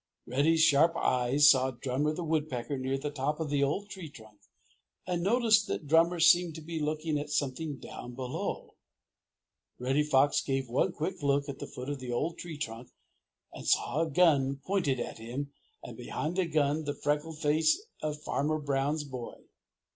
Reddy's sharp eyes saw Drummer the Woodpecker near the top of the old tree trunk and noticed that Drummer seemed to be looking at something down below. Reddy Fox gave one quick look at the foot of the old tree trunk and saw a gun pointed at him and behind the gun the freckled face of Farmer Brown's boy.